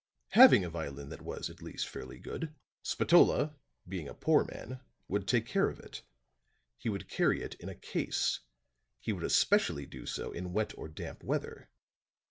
"Having a violin that was at least fairly good, Spatola, being a poor man, would take care of it. He would carry it in a case he would especially do so in wet or damp weather.